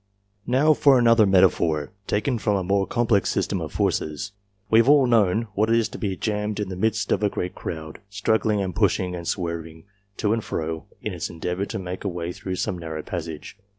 Now for another metaphor, taken from a more complex system of forces. We have all known what it is to be jammed in the midst of a great crowd, struggling and pushing and swerving to and fro, in its endeavour to make a way through some narrow passage